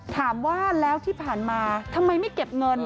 ถามว่าแล้วที่ผ่านมาทำไมไม่เก็บเงิน